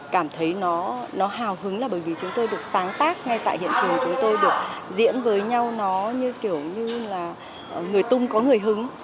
cảm thấy nó hào hứng là bởi vì chúng tôi được sáng tác ngay tại hiện trường chúng tôi được diễn với nhau nó như kiểu như là người tung có người hứng